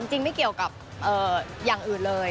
จริงไม่เกี่ยวกับอย่างอื่นเลย